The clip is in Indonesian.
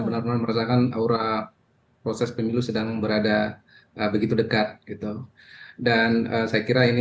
benar benar merasakan aura proses pemilu sedang berada begitu dekat gitu dan saya kira ini